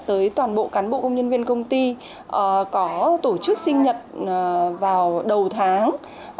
tới toàn bộ cán bộ công nhân viên công ty có tổ chức sinh nhật vào đầu tháng